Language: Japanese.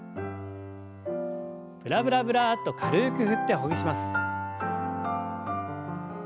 ブラブラブラッと軽く振ってほぐします。